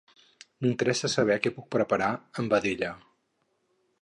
M'interessa saber què puc preparar amb vedella.